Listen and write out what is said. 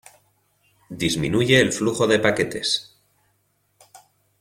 Disminuye el flujo de paquetes.